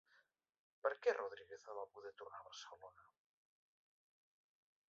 Per què Rodríguez no va poder tornar a Barcelona?